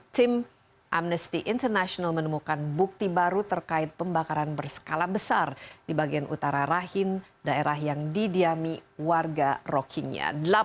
tim amnesty international menemukan bukti baru terkait pembakaran berskala besar di bagian utara rahim daerah yang didiami warga rohingya